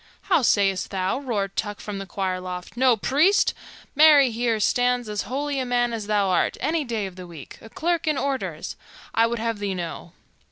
"How sayst thou?" roared Tuck from the choir loft. "No priest? Marry, here stands as holy a man as thou art, any day of the week, a clerk in orders, I would have thee know.